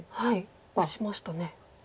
オシましたね。